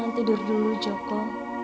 jangan tidur dulu joko